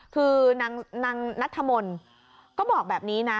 คือนางนัทธมนต์ก็บอกแบบนี้นะ